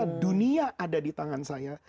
ketika saya dunia ada di tangan saya